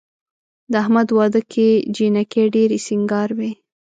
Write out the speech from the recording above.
د احمد واده کې جینکۍ ډېرې سینګار وې.